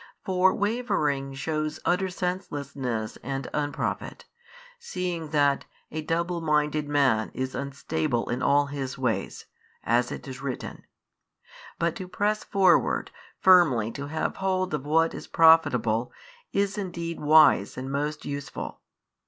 For wavering shews utter senselessness and unprofit, seeing that A double minded man is unstable in all his ways, as it is written: but to press forward firmly to have hold of what is profitable, is indeed wise and most useful.